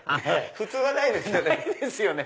普通はないですよね。